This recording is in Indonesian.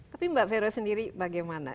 tapi mbak vero sendiri bagaimana